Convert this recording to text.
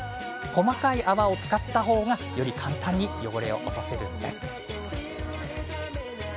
細かい泡を使った方がより簡単に汚れを落とせるんです。